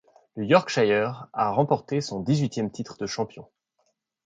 Le Yorkshire a remporté son dix-huitième titre de champion.